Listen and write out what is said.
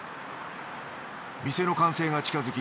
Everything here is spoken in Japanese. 店の完成が近づき